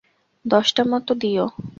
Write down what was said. দশটা মতো দিও।